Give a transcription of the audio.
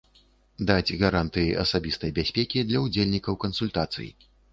Даць гарантыі асабістай бяспекі для ўдзельнікаў кансультацый.